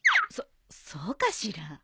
そそうかしら？